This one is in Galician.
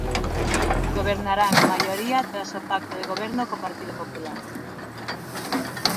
Gobernarán en maioría tras o pacto de goberno co Partido Popular.